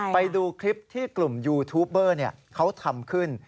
ไปดูคลิปที่กลุ่มยูทูปเบอร์เขาทำขึ้น